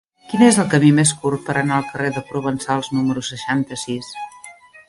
Quin és el camí més curt per anar al carrer de Provençals número seixanta-sis?